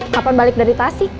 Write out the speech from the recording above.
kapan balik dari tasik